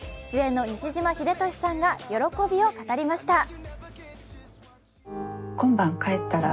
主演の西島秀俊さんが喜びを語りました。